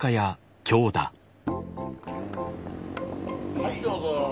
はいどうぞ。